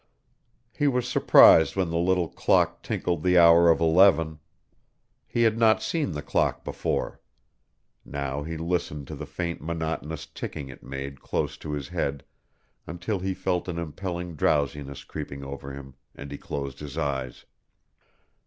He was surprised when a little clock tinkled the hour of eleven. He had not seen the clock before. Now he listened to the faint monotonous ticking it made close to his head until he felt an impelling drowsiness creeping over him and he closed his eyes.